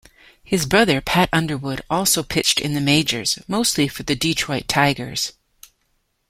His brother Pat Underwood also pitched in the majors, mostly for the Detroit Tigers.